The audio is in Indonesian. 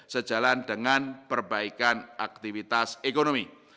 sejalan dengan perbaikan aktivitas ekonomi